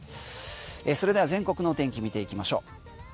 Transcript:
それでは全国の天気見ていきましょう。